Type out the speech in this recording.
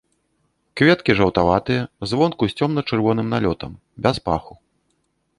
Кветкі жаўтаватыя, звонку з цёмна-чырвоным налётам, без паху.